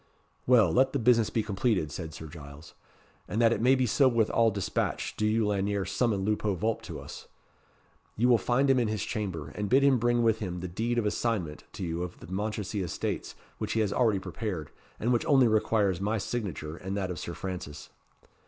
"Well, let the business be completed," said Sir Giles; "and that it may be so with all dispatch, do you, Lanyere, summon Lupo Vulp to us. You will find him in his chamber, and bid him bring with him the deed of assignment to you of the Mounchensey estates which he has already prepared, and which only requires my signature and that of Sir Francis."